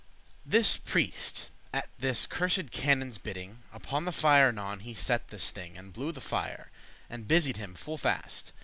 This priest, at this cursed canon's biddIng, Upon the fire anon he set this thing, And blew the fire, and busied him full fast.